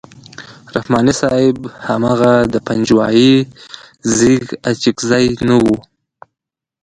رحماني صاحب هماغه د پنجوایي زېږ اڅکزی نه وو.